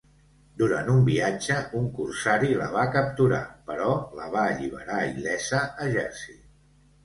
Durant un viatge, un corsari la va capturar, però la va alliberar il·lesa a Jersey.